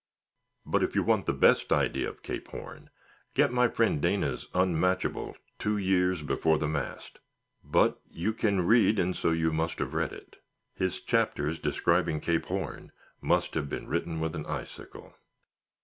But if you want the best idea of Cape Horn, get my friend Dana's unmatchable "Two Years Before the Mast." But you can read, and so you must have read it. His chapters describing Cape Horn must have been written with an icicle.